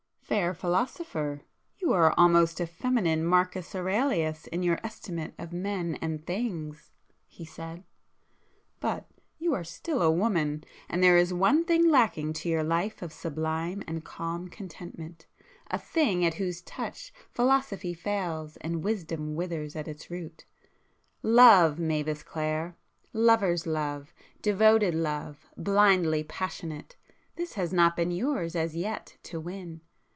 "Fair philosopher, you are almost a feminine Marcus Aurelius in your estimate of men and things!"—he said; "But—you are still a woman—and there is one thing lacking to your life of sublime and calm contentment—a thing at whose touch philosophy fails, and wisdom withers at its root. Love, Mavis Clare!—lover's love,—devoted love, blindly passionate,—this has not been yours as yet to win!